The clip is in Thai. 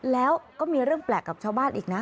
แล้วก็มีเรื่องแปลกกับชาวบ้านอีกนะ